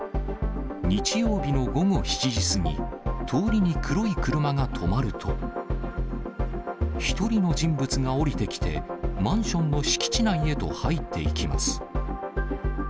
日曜日の午後７時過ぎ、通りに黒い車が止まると、１人の人物が降りてきて、マンションの敷地内へと入っていきます。